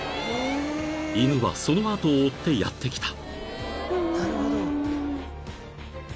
［犬はその後を追ってやって来た］